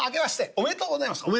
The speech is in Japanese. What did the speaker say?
おめでとうございます。